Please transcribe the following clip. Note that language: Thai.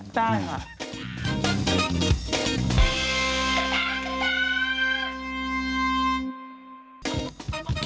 ได้ค่ะ